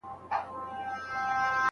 د هوږې خوړل د وینې فشار کنټرولوي.